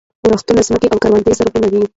ورښتونه ځمکې او کروندې زرغونوي.